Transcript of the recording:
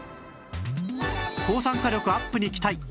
抗酸化力アップに期待！